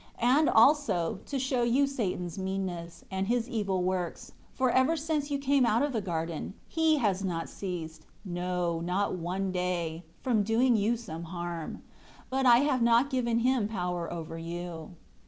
10 And, also, to show you Satan's meanness, and his evil works, for ever since you came out of the garden, he has not ceased, no, not one day, from doing you some harm. But I have not given him power over you."